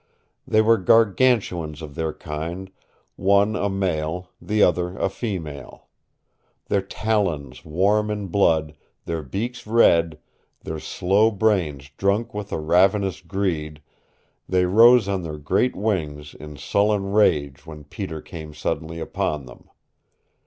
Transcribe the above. They were Gargantuans of their kind, one a male, the other a female. Their talons warm in blood, their beaks red, their slow brains drunk with a ravenous greed, they rose on their great wings in sullen rage when Peter came suddenly upon them.